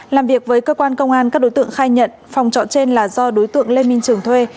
làm việc với cơ quan công an các đối tượng khai nhận phòng trọ trên là do đối tượng lê minh trường thuê